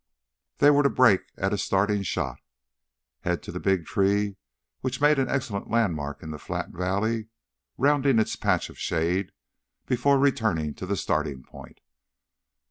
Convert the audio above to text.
They were to break at a starting shot, head to the big tree which made an excellent landmark in the flat valley, rounding its patch of shade before returning to the starting point.